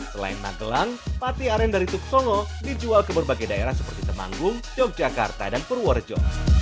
selain magelang pati aren dari tuk songo dijual ke berbagai daerah seperti temanggung yogyakarta dan purworejo